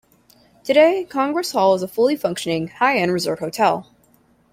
Today, Congress Hall is a fully functioning, high-end resort hotel.